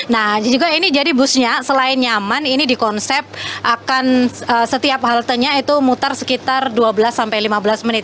nah juga ini jadi busnya selain nyaman ini di konsep akan setiap haltenya itu muter sekitar dua belas sampai lima belas menit